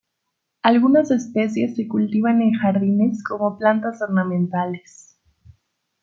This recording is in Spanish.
Algunas especies se cultivan en jardines como plantas ornamentales.